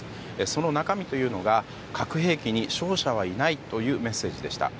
その中身というのが核兵器に勝者はいないというメッセージでした。